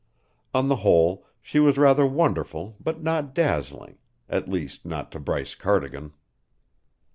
On the whole, she was rather wonderful but not dazzling at least, not to Bryce Cardigan.